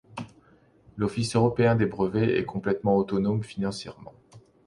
L'office européen des brevets est complètement autonome financièrement.